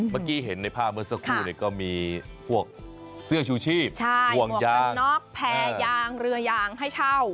เมื่อกี้เห็นในภาพเมื่อสักครู่ก็มีพวกเสื้อชูชีพห่วงยางน็อกแพรยางเรือยางให้เช่า